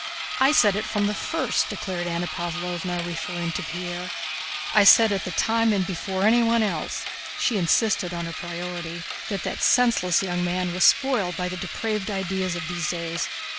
"I said from the first," declared Anna Pávlovna referring to Pierre, "I said at the time and before anyone else" (she insisted on her priority) "that that senseless young man was spoiled by the depraved ideas of these days.